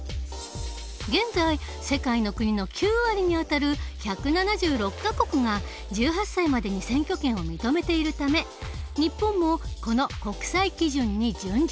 現在世界の国の９割にあたる１７６か国が１８歳までに選挙権を認めているため日本もこの国際基準に準じたい。